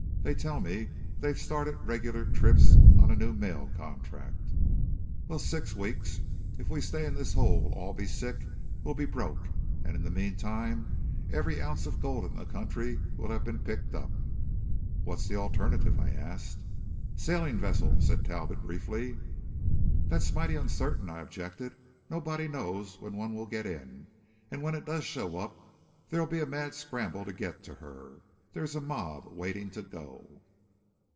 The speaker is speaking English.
They tell me they've started regular trips on a new mail contract." "Well, six weeks. If we stay in this hole we'll all be sick; we'll be broke; and in the meantime every ounce of gold in the country will have been picked up." "What's the alternative?" I asked. "Sailing vessel," said Talbot briefly. "That's mighty uncertain," I objected. "Nobody knows when one will get in; and when it does show up it'll be a mad scramble to get to her. There's a mob waiting to go."